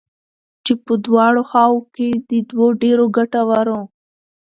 چې په دواړو خواوو كې د دوو ډېرو گټورو